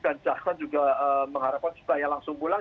dan cahkan juga mengharapkan supaya langsung pulang